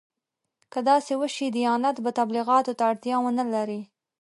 که داسې وشي دیانت به تبلیغاتو ته اړتیا ونه لري.